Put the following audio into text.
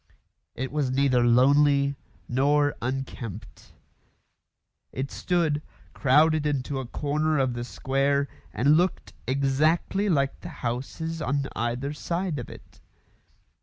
It was neither lonely nor unkempt. It stood, crowded into a corner of the square, and looked exactly like the houses on either side of it.